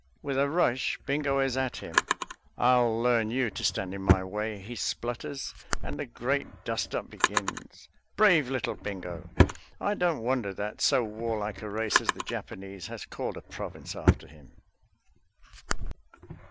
With a rush Bingo is at him. "I'll learn you to stand in my way," he splutters. And the great dust up begins.... Brave little Bingo! I don't wonder that so warlike a race as the Japanese has called a province after him.